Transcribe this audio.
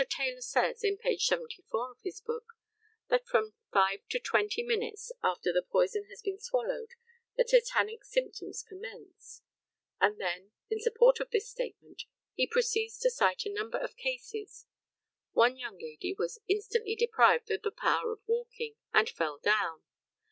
Taylor says, in page 74 of his book, that from five to twenty minutes after the poison has been swallowed the tetanic symptoms commence; and then, in support of this statement, he proceeds to cite a number of cases. One young lady was "instantly deprived of the power of walking, and fell down."